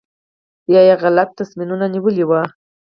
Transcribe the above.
یا یې غلط تصمیمونه نیولي وي.